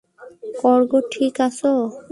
কর্গ, ঠিক আছ?